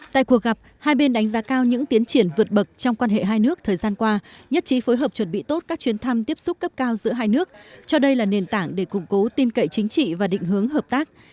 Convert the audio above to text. tại cuộc gặp hai bên đánh giá cao những tiến triển vượt bậc trong quan hệ hai nước thời gian qua nhất trí phối hợp chuẩn bị tốt các chuyến thăm tiếp xúc cấp cao giữa hai nước cho đây là nền tảng để củng cố tin cậy chính trị và định hướng hợp tác